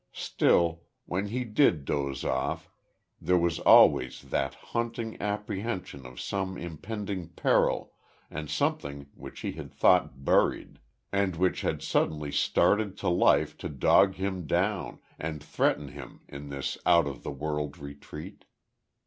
Still, when he did doze off there was always that haunting apprehension of some impending peril and something which he had thought buried, and which had suddenly started to life to dog him down and threaten him in this out of the world retreat.